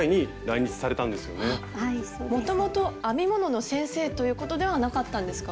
もともと編み物の先生ということではなかったんですか？